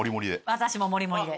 私ももりもりで。